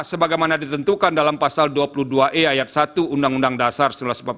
sebagaimana ditentukan dalam pasal dua puluh dua e ayat satu undang undang dasar seribu sembilan ratus empat puluh lima